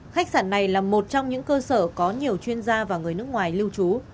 khách sạn này là một trong những cơ sở có nhiều chuyên gia và người nước ngoài lưu trú